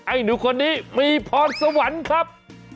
ไอ้หนูคนนี้มีพรสวรรค์ครับ